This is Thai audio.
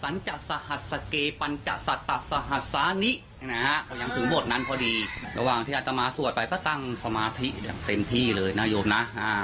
ยังถึงพอดนั้นพอดีระหว่างที่อาตมาสวดไปก็ตั้งสมาธิเต็มที่เลยนะโยมนะ